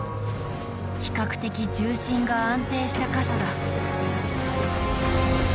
比較的重心が安定した箇所だ。